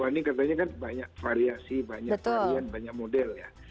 dalam dunia perkriptoan ini katanya kan banyak variasi banyak varian banyak model ya